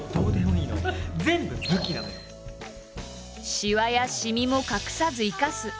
しわやシミも隠さず生かす。